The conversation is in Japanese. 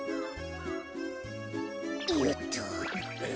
よっと。